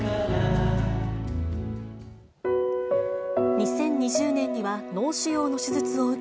２０２０年には脳腫瘍の手術を受け、